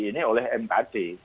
ini oleh mkd